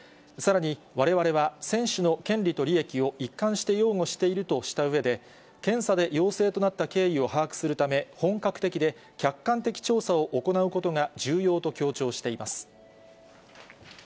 さらに、われわれは選手の権利と利益を一貫して擁護しているとしたうえで、検査で陽性となった経緯を把握するため、本格的で、客観的調査を行うことが重要と強調しています。